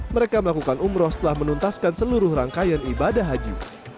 mereka melakukan umroh setelah menuntaskan seluruh rangkaian ibadah haji